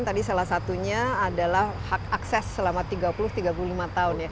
tadi salah satunya adalah hak akses selama tiga puluh tiga puluh lima tahun ya